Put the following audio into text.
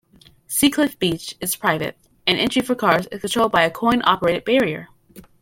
Seacliff Beach is private, and entry for cars is controlled by a coin-operated barrier.